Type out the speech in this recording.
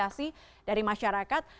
mendapatkan apresiasi dari masyarakat